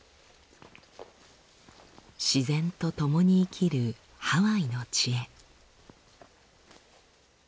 自然とともに生きるハワイの知恵。